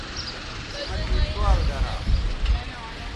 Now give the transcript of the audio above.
مہ تے سوال گرا